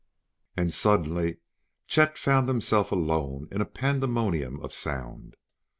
And suddenly Chet found himself alone in a pandemonium of sound.